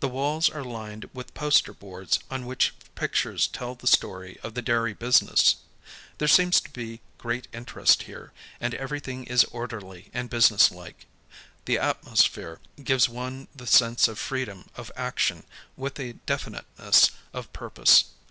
The walls are lined with poster boards on which pictures tell the story of the dairy business. There seems to be great interest here, and everything is orderly and business like. The atmosphere gives one the sense of freedom of action with a definiteness of purpose.